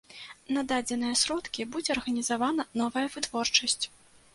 На дадзеныя сродкі будзе арганізавана новая вытворчасць.